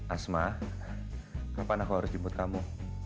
asma kapan aku harus jemput kamu